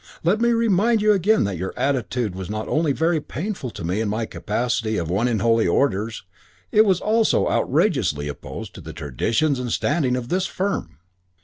Let me remind you again that your attitude was not only very painful to me in my capacity of one in Holy Orders, it was also outrageously opposed to the traditions and standing of this firm.